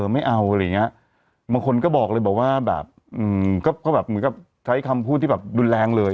มีบางคนก็บอกเลยมีก็ใช้คำพูดที่แบบดุแรงเลย